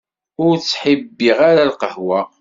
Ur ttḥibbiɣ ara lqahwa.